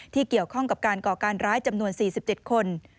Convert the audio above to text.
เกี่ยวข้องกับการก่อการร้ายจำนวน๔๗คน